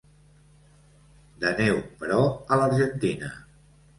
De neu, però a l'argentina.